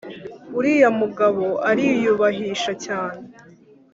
uriya mugabo ariyubahisha cyane